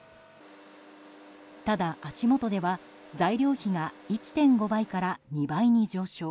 ただ、足元では材料費が１．５倍から２倍に上昇。